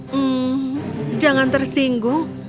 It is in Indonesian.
hmm jangan tersinggung